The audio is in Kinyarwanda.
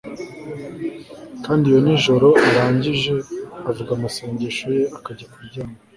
Kandi iyo nijoro arangije avuga amasengesho ye akajya kuryama